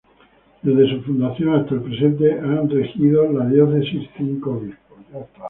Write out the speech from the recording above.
Desde su fundación hasta el presente, han regido la Diócesis cinco Obispos.